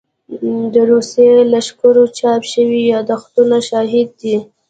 د روسي لښکرو چاپ شوي يادښتونه شاهد دي.